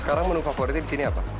sekarang menu favoritnya disini apa